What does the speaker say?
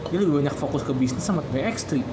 dia lebih banyak fokus ke bisnis sama bx tiga